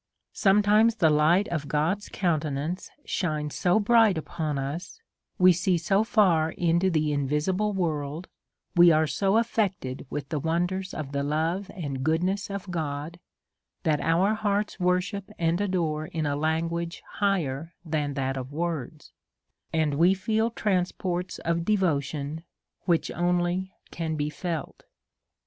Sometimes the light of God's countenance shines so bright upon us, we see so far into the invisible worlds we are so affected vvith the wonders of the love and goodness of God, that our hearts worship and adore in a language higher than that of words, and we feel transports of devotion which only can be felt.